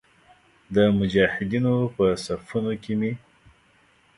د مجاهدینو په صفونو کې مې.